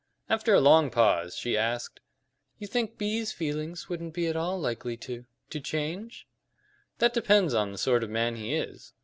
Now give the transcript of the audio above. After a long pause she asked: "You think B's feelings wouldn't be at all likely to to change?" "That depends on the sort of man he is.